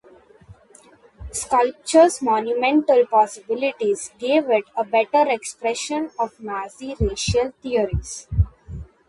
Sculpture's monumental possibilities gave it a better expression of Nazi racial theories.